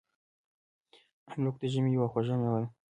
املوک د ژمي یوه خوږه میوه ده.